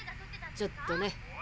ちょっとね。